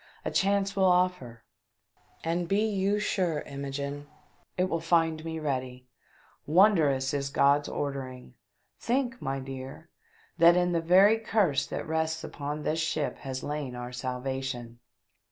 A chance will offer, and be you sure, Imogene, it will fmd me ready. Wondrous is God's ordering ! Think, my dear, that in the very Curse that rests upon this ship has lain our salvation